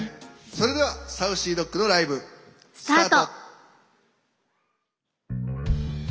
それではＳａｕｃｙＤｏｇのライブスタート。